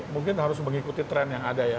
mungkin harus mengikuti tren yang ada ya